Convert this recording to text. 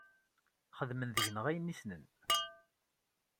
Xedmen deg-neɣ ayen i ssnen.